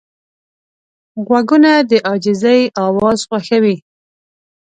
غوږونه د عاجزۍ اواز خوښوي